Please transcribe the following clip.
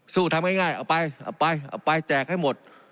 สู้ทำง่ายง่ายเอาไปเอาไปเอาไปแจกให้หมด